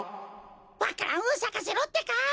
わか蘭をさかせろってか！